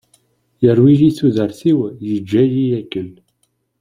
Yerwi-iyi tudert-iw yeǧǧa-iyi akken.